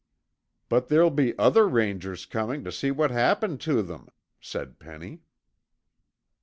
"But there'll be other Rangers coming to see what happened to them," said Penny.